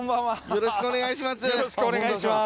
よろしくお願いします